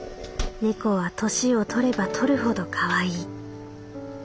「猫は年を取れば取るほどかわいい。